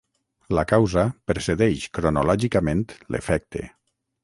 La causa precedeix cronològicament l'efecte.